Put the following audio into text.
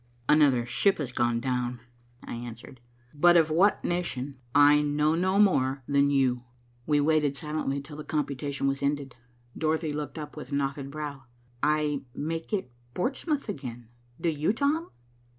"Another ship has gone down," I answered; "but of what nation I know no more than you." We waited silently till the computation was ended. Dorothy looked up with knotted brow. "I make it Portsmouth again. Do you, Tom?"